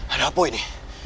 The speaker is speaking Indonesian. ada apa ini